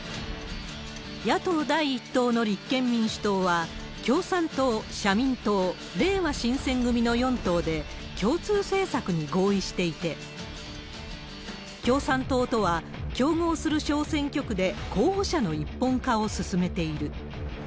野党第１党の立憲民主党は、共産党、社民党、れいわ新選組の４党で、共通政策に合意していて、共産党とは競合する小選挙区で候補者の一本化を進めている。